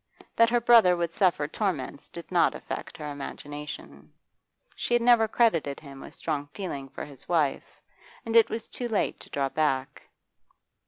That her brother would suffer torments did not affect her imagination; she had never credited him with strong feeling for his wife; and it was too late to draw back.